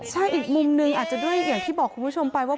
ใช่อีกมุมนึงอาจจะด้วยอย่างที่บอกคุณผู้ชมไปว่า